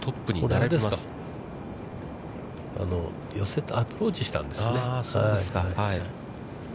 寄せてアプローチしたんですね。